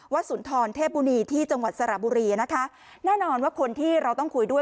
สุนทรเทพบุณีที่จังหวัดสระบุรีนะคะแน่นอนว่าคนที่เราต้องคุยด้วย